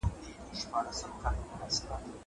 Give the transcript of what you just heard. زه اوږده وخت لیکل کوم!!